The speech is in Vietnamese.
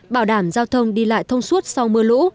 bảo đảm giao thông đi lại thông suốt sau mưa lũ